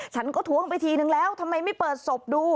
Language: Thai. ฉันก็ท้วงไปทีนึงแล้วทำไมไม่เปิดศพดู